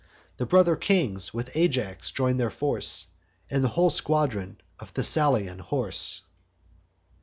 The brother kings with Ajax join their force, And the whole squadron of Thessalian horse.